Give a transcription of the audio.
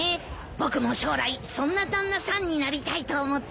僕も将来そんな旦那さんになりたいと思ってるんだ。